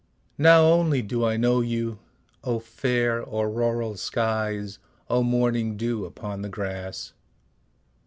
Now only do I know you, O fair auroral skies O morning dew upon the grass!